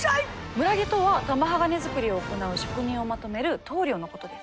村下とは玉鋼づくりを行う職人をまとめる頭領のことです。